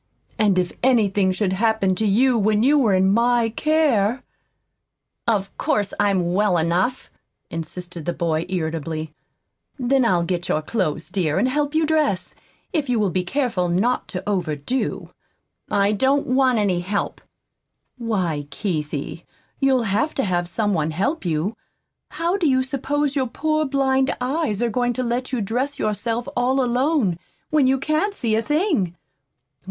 And if anything should happen to you when you were in MY care " "Of course I'm well enough," insisted the boy irritably. "Then I'll get your clothes, dear, and help you dress, if you will be careful not to overdo." "I don't want any help." "Why, Keithie, you'll HAVE to have some one help you. How do you suppose your poor blind eyes are going to let you dress yourself all alone, when you can't see a thing?